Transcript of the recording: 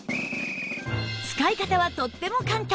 使い方はとっても簡単